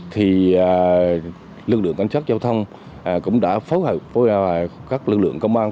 thì lượng đường cảnh sát giao thông cũng đã phối hợp với các lượng lượng công an